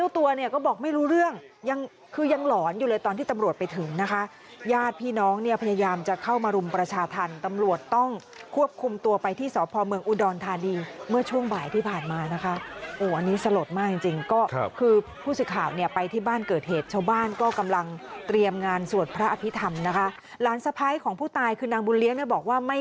ตัวเนี่ยก็บอกไม่รู้เรื่องยังคือยังหลอนอยู่เลยตอนที่ตำรวจไปถึงนะคะญาติพี่น้องเนี่ยพยายามจะเข้ามารุมประชาธรรมตำรวจต้องควบคุมตัวไปที่สพเมืองอุดรธานีเมื่อช่วงบ่ายที่ผ่านมานะคะโอ้อันนี้สลดมากจริงจริงก็คือผู้สื่อข่าวเนี่ยไปที่บ้านเกิดเหตุชาวบ้านก็กำลังเตรียมงานสวดพระอภิษฐรรมนะคะหลานสะพ้ายของผู้ตายคือนางบุญเลี้ยเนี่ยบอกว่าไม่